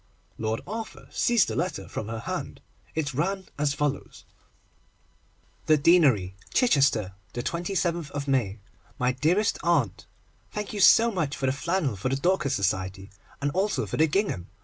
Lord Arthur seized the letter from her hand. It ran as follows:— THE DEANERY, CHICHESTER, 27_th_ May. My Dearest Aunt, Thank you so much for the flannel for the Dorcas Society, and also for the gingham.